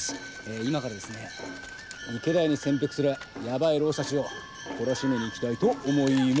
今からですね池田屋に潜伏するやばい浪士たちを懲らしめに行きたいと思います。